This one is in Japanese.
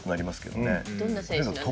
どんな選手なんでしょうか？